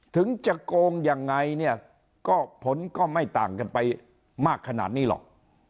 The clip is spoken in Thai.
ถึงจะโกงยังไงเนี่ยก็ผลก็ไม่ต่างกันไปมากขนาดนี้หรอก